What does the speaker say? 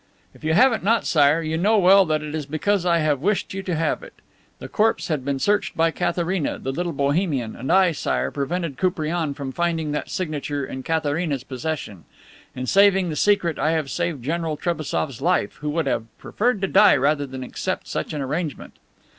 "If you have not it, Sire, you know well that it is because I have wished you to have it. The corpse had been searched by Katharina, the little Bohemian, and I, Sire, prevented Koupriane from finding that signature in Katharina's possession. In saving the secret I have saved General Trebassof's life, who would have preferred to die rather than accept such an arrangement."